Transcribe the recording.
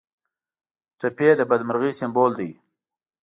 ټپي د بدمرغۍ سمبول دی.